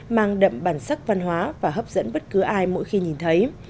mang đậm bản sắc văn hóa và hấp dẫn bất cứ ai mỗi khi nhìn thấy